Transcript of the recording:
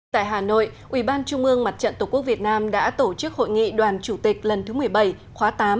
tại hà nội ủy ban trung ương mặt trận tổ quốc việt nam đã tổ chức hội nghị đoàn chủ tịch lần thứ một mươi bảy khóa tám